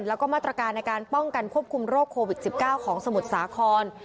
แล้วก็มาตรการในการป้องกันควบคุมโรคโควิด๑๙ของสมุทรสาคร